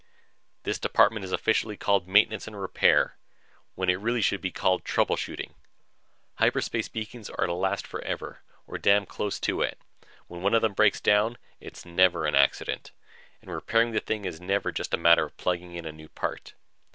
"This department is officially called Maintenance and Repair, when it really should be called trouble shooting. Hyperspace beacons are made to last forever or damn close to it. When one of them breaks down, it is never an accident, and repairing the thing is never a matter of just plugging in a new part."